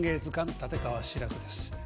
立川志らくです。